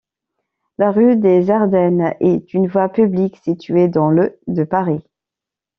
La rue des Ardennes est une voie publique située dans le de Paris.